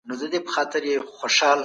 استازي به له خپلو سيمو څخه ستونزې راوړي.